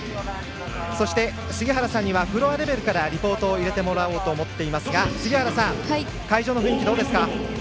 そして、杉原さんにはフロアレベルからリポートを入れてもらおうと思っていますが杉原さん、会場の雰囲気はどうですか。